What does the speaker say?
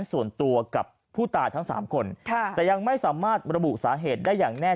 ส่วนตัวกับผู้ตายทั้งสามคนค่ะแต่ยังไม่สามารถระบุสาเหตุได้อย่างแน่